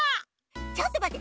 ちょっとまって！